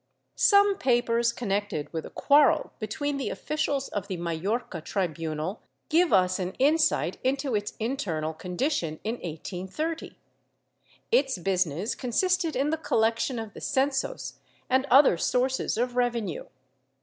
Some papers connected with a quarrel between the officials of the Majorca tribunal give us an insight into its internal condition in 1830. Its business consisted in the collection of the censos and other sources of revenue.